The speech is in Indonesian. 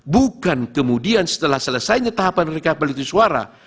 bukan kemudian setelah selesainya tahapan rekapitu suara